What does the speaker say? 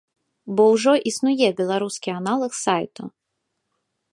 Бо ўжо існуе беларускі аналаг сайту.